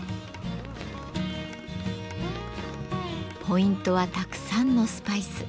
ポイントはたくさんのスパイス。